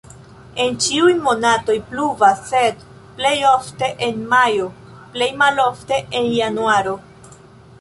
En ĉiuj monatoj pluvas, sed plej ofte en majo, plej malofte en januaro.